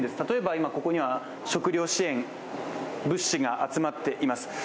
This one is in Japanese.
例えば今、ここには食糧支援、物資が集まっています。